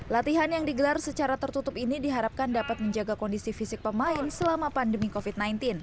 latihan yang digelar secara tertutup ini diharapkan dapat menjaga kondisi fisik pemain selama pandemi covid sembilan belas